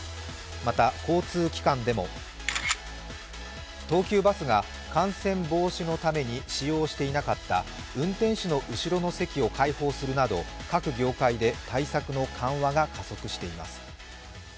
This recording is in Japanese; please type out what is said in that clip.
また交通機関でも、東急バスが感染防止のために使用していなかった運転手の後ろの席を開放するなど各業界で対策の緩和が加速しています。